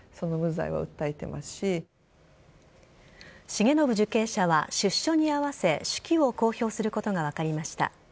重信受刑者は出所に合わせ手記を公表することが分かりました。